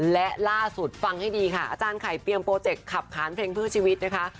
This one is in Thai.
และล่าสุดฟังให้ดีค่ะอาจารย์ไข่เตรียมโปรเจกต์ขับขานเพลงเพื่อชีวิตนะคะ